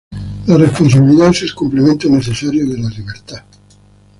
La responsabilidad es el complemento necesario de la libertad.